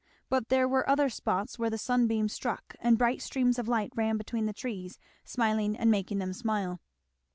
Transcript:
But there were other spots where the sunbeams struck and bright streams of light ran between the trees, smiling and making them smile.